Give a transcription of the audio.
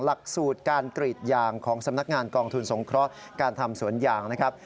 หลักสูตรการกรีดยางของสำนักงานกองทุนสงเคราะห์การทำสวนยางนะครับ